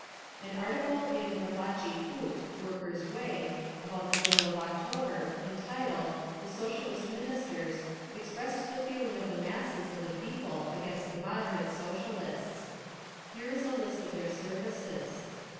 An article in Rabotchi Put (Workers' Way) about the middle of October, entitled "The Socialist Ministers," expressed the feeling of the masses of the people against the "moderate" Socialists: Here is a list of their services.